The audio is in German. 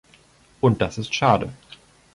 Und das ist schade.